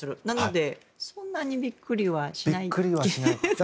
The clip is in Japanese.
なのでそんなにビックリはしないです。